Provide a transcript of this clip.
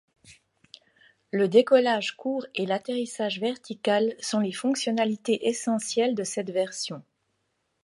Le décollage court et l'atterrissage vertical sont les fonctionnalités essentielles de cette version.